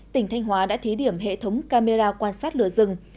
tỉnh thanh hóa đã thí điểm hệ thống camera quan sát lửa rừng